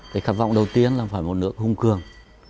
cái khát vọng đầu tiên là phải một nước hùng cường